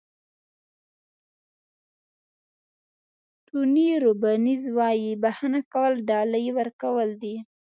ټوني روبینز وایي بښنه کول ډالۍ ورکول دي.